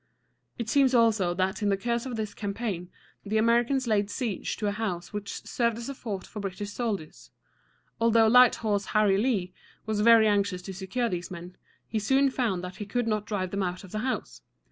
It seems also that in the course of this campaign the Americans laid siege to a house which served as a fort for British soldiers. Although Light Horse Harry Lee was very anxious to secure these men, he soon found that he could not drive them out of the house.